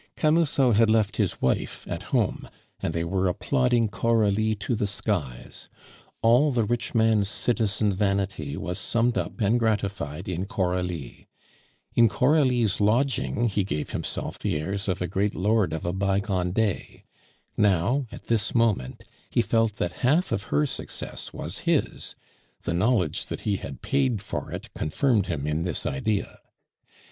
Camusot had left his wife at home, and they were applauding Coralie to the skies. All the rich man's citizen vanity was summed up and gratified in Coralie; in Coralie's lodging he gave himself the airs of a great lord of a bygone day; now, at this moment, he felt that half of her success was his; the knowledge that he had paid for it confirmed him in this idea.